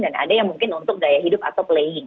dan ada yang mungkin untuk gaya hidup atau playing